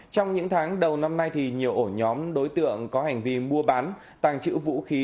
trong những tháng đầu năm nay thì nhiều ổ nhóm đối tượng có hành vi mua bán tàng trữ vũ khí